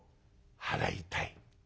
「払いたい」。